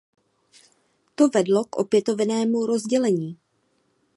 To vedlo k opětovnému rozdělení.